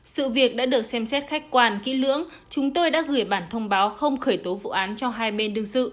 sự việc đã được xem xét khách quan kỹ lưỡng chúng tôi đã gửi bản thông báo không khởi tố vụ án cho hai bên đương sự